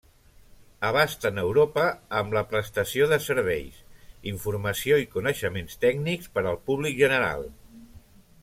Abasten Europa amb la prestació de serveis, informació i coneixements tècnics per al públic general.